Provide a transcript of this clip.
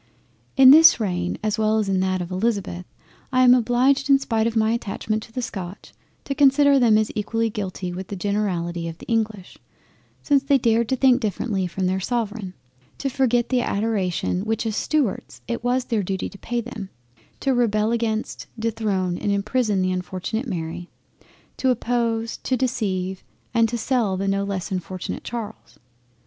In this reign as well as in that of Elizabeth, I am obliged in spite of my attachment to the Scotch, to consider them as equally guilty with the generality of the English, since they dared to think differently from their Sovereign, to forget the Adoration which as Stuarts it was their Duty to pay them, to rebel against, dethrone and imprison the unfortunate Mary; to oppose, to deceive, and to sell the no less unfortunate Charles.